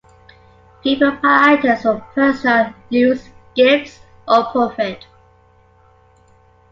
People buy items for personal use, gifts, or profit.